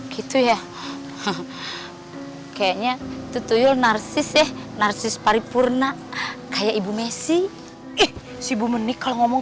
kayaknya itu tuyul narsis eh narsis paripurna kayak ibu messi ih si bu menik kalau ngomong